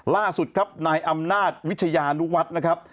ล่าสุดครับนายอำนาจวิทยานุวัฒน์นะครับ